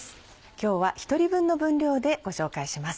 今日は１人分の分量でご紹介します。